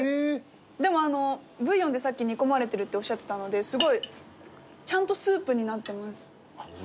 でもあのうブイヨンでさっき煮込まれてるっておっしゃってたのですごいちゃんとスープになってます。